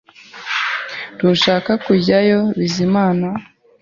Ntushaka kujyayo, Bizimana